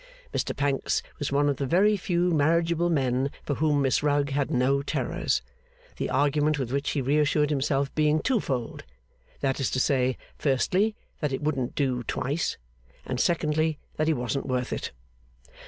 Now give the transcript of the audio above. Mr Pancks was one of the very few marriageable men for whom Miss Rugg had no terrors, the argument with which he reassured himself being twofold; that is to say, firstly, 'that it wouldn't do twice,' and secondly, 'that he wasn't worth it.